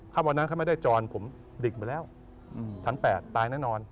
ถ้าวันนั้นเขาไม่ได้จรผมดิกมาแล้วชั้น๘ตายแน่นอน